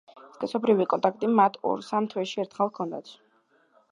სქესობრივი კონტაქტი მათ ორ-სამ თვეში ერთხელ ჰქონდათ.